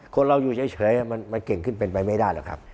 คนเราอยู่เฉยมันเก่งขึ้นเป็นไปไม่ได้หรอกครับ